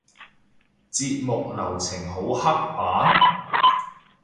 節目流程好刻板？